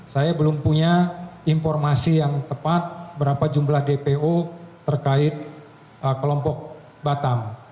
saya belum punya informasi yang tepat berapa jumlah dpo terkait kelompok batam